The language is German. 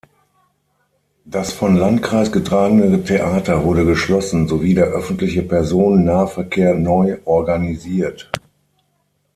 Das von Landkreis getragene Theater wurde geschlossen, sowie der öffentliche Personennahverkehr neu organisiert.